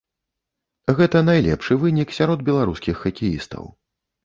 Гэта найлепшы вынік сярод беларускіх хакеістаў.